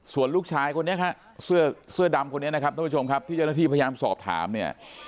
ส่วนลูกชายคนนี้ฮะเสื้อดำคนนี้นะครับท่านผู้ชมครับที่เจ้าหน้าที่พยายามสอบถามเนี่ย